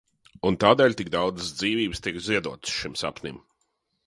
Un tādēļ tik daudzas dzīvības tiek ziedotas šim sapnim.